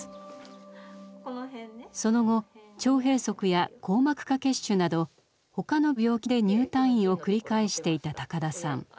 その後腸閉塞や硬膜下血腫など他の病気で入退院を繰り返していた高田さん。